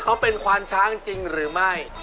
เขาเป็นควานช้างจริงหรือไม่